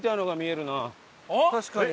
確かに。